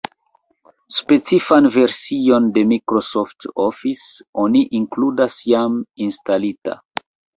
Specifan version de Microsoft Office oni inkludas jam instalita.